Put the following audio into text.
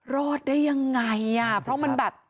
รอดได้ยังไงอ่ะเพราะมันแบบ